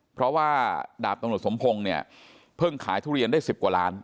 เพราะว่าดาบตำรวจสมพงศ์เนี่ยเพิ่งขายทุเรียนได้๑๐กว่าล้าน